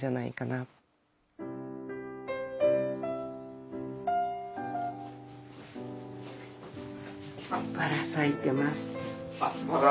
あっばら咲いてますか？